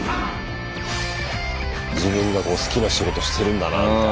自分が好きな仕事してるんだなみたいな。